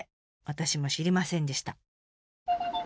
私も知りませんでした。